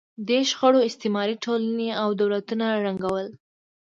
دې شخړو استعماري ټولنې او دولتونه ړنګول.